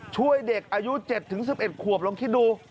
ช่วยเด็กอายุ๗๑๑ขวบลองคิดดู